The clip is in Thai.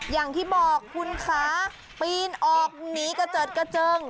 อย่างที่บอกคุณคะปีนออกหนีกระเจิดกระเจิง